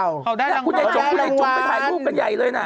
อ้าวได้รางวัลกูได้จุ๊บไปถ่ายรูปกันใหญ่เลยน่ะ